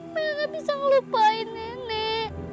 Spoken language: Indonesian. mel gak bisa ngelupain nenek